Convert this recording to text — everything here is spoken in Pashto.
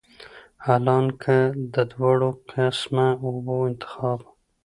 حالانکه د دواړو قسمه اوبو انتخاب